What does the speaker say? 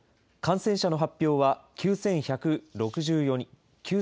感染者の発表は９１６４人。